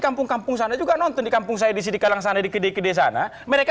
kampung kampung sana juga nonton di kampung saya di sini kalang sana di kedek kedek sana mereka